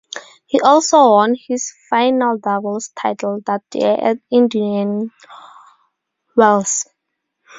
He also won his final doubles title that year at Indian Wells.